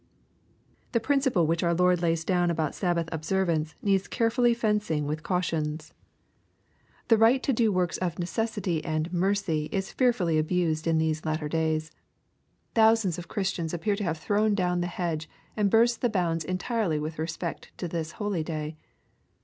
The principle which our Lord lays down about Sabbath observance needs carefully fencing with cautions. The 150 EXPOSITORY THOUGHTS. right to do worjts of necessity and mercy is fearfully abused in these latter days. Thousands of Christians appear to have thrown down the hedge, and burst the bounds entirely with respect to this holy day.